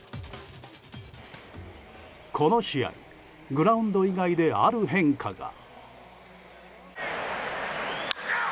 この試合、グラウンド以外である変化が。